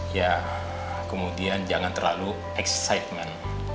ya kemudian jangan terlalu excitement